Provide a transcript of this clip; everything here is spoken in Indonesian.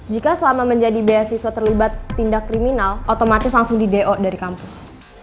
jika selama menjadi beasiswa terlibat tindak kriminal otomatis langsung di do dari kampus